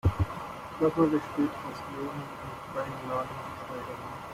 Plasma besteht aus Ionen und freien Ladungsträgern.